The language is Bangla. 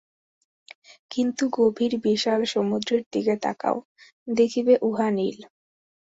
কিন্তু গভীর বিশাল সমুদ্রের দিকে তাকাও, দেখিবে উহা নীল।